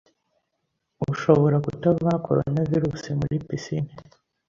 Ushobora kutavana Coronavirus muri piscine